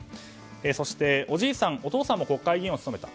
そして、おじいさんとお父さんも国会議員を務めた。